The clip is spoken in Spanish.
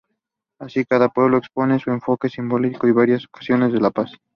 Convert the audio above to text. Así cada pueblo expone su enfoque, simbolismos y valores asociados a la paz.